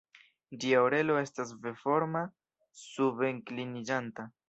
Ĝia orelo estas V-forma, suben-kliniĝanta.